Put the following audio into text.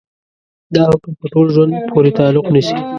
دا حکم په ټول ژوند پورې تعلق نيسي.